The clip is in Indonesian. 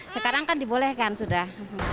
sekarang kan dibolehkan sudah